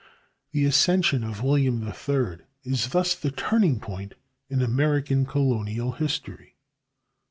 The accession of William III is thus the turning point in American colonial history.